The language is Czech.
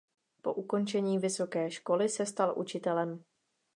Po ukončení vysoké školy se stal učitelem.